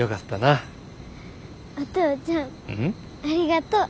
ありがとう。